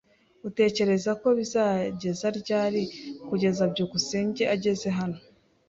Utekereza ko bizageza ryari kugeza byukusenge ageze hano?